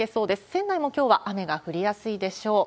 仙台もきょうは雨が降りやすいでしょう。